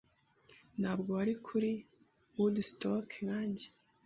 Ntabwo wari kuri Woodstock nkanjye.